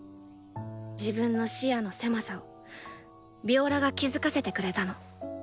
自分の視野の狭さをヴィオラが気付かせてくれたの。